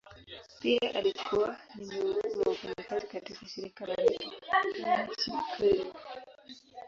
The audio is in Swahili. Pia alikuwa ni miongoni mwa wafanyakazi katika shirika la ndege la nchini kenya.